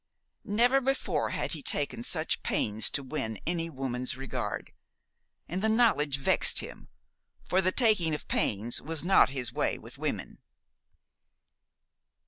Never before had he taken such pains to win any woman's regard. And the knowledge vexed him, for the taking of pains was not his way with women.